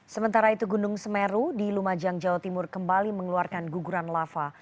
sementara itu gunung semeru di lumajang jawa timur kembali mengeluarkan guguran lava